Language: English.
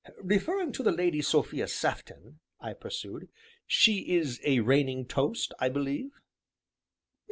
"Referring to the Lady Sophia Sefton," I pursued, "she is a reigning toast, I believe?"